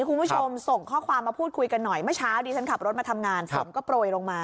คุณผู้ชมส่งข้อความมาพูดคุยกันหน่อยเมื่อเช้าดิฉันขับรถมาทำงานผมก็โปรยลงมา